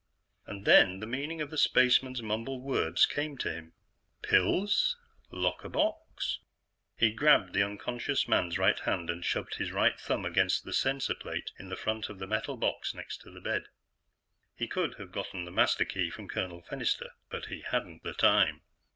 And then the meaning of the spaceman's mumbled words came to him. Pills? Locker box? He grabbed the unconscious man's right hand and shoved his right thumb up against the sensor plate in the front of the metal box next to the bed. He could have gotten the master key from Colonel Fennister, but he hadn't the time.